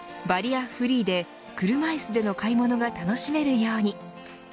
バリアフリーで車いすでの買い物が楽しめるように。